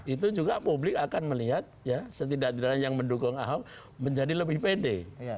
itu juga publik akan melihat setidaknya yang mendukung ahok menjadi lebih pede